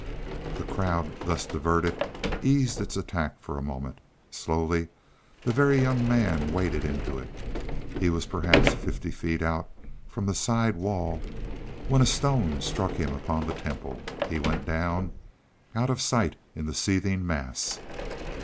The crowd, thus diverted, eased its attack for a moment. Slowly the Very Young Man waded into it. He was perhaps fifty feet out from the side wall when a stone struck him upon the temple. He went down, out of sight in the seething mass.